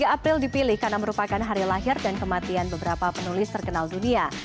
dua puluh april dipilih karena merupakan hari lahir dan kematian beberapa penulis terkenal dunia